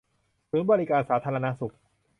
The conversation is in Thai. ศูนย์บริการสาธารณสุข